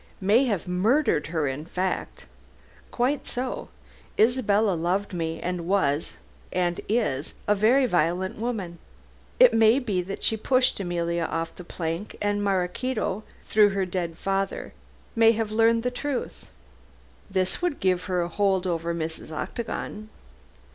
"May have murdered her in fact." "Quite so. Isabella loved me, and was, and is, a very violent woman. It may be that she pushed Emilia off the plank, and Maraquito, through her dead father, may have learned the truth. This would give her a hold over Mrs. Octagon."